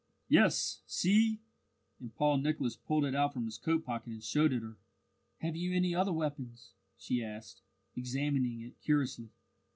"Yes, see!" and Paul Nicholas pulled it out from his coat pocket and showed it her. "Have you any other weapons?" she asked, examining it curiously.